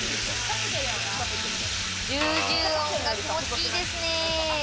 ジュジュ音が気持ちいいですね。